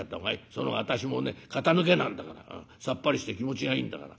その方が私もね肩抜けなんだからさっぱりして気持ちがいいんだから。